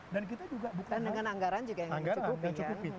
dan kita juga bukan dengan anggaran juga yang cukup